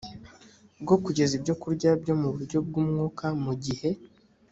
bwo kugeza ibyokurya byo mu buryo bw umwuka mu gihe